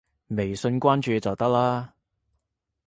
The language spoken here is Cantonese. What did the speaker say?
微信關注就得啦